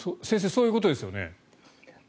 そういうことですよね。